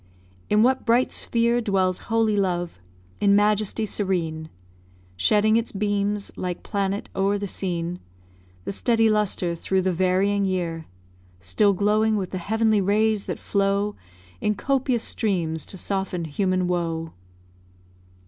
In what bright sphere Dwells holy love, in majesty serene Shedding its beams, like planet o'er the scene; The steady lustre through the varying year Still glowing with the heavenly rays that flow In copious streams to soften human woe?